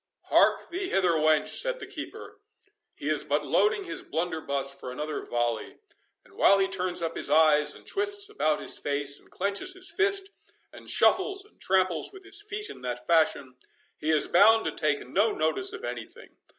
"Hark thee hither, wench!" said the keeper, "he is but loading his blunderbuss for another volley; and while he turns up his eyes, and twists about his face, and clenches his fist, and shuffles and tramples with his feet in that fashion, he is bound to take no notice of any thing.